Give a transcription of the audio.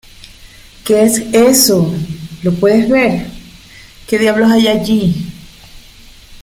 ¿ Qué es eso? ¿ lo puedes ver ?¿ qué diablos hay allí ?